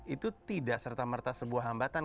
itu tidak serta merta sebuah hambatan